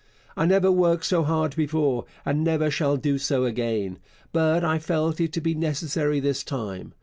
I never worked so hard before, and never shall do so again; but I felt it to be necessary this time.